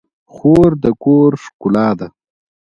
خور د کور ښکلا ده.